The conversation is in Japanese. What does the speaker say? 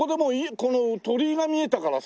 この鳥居が見えたからさ。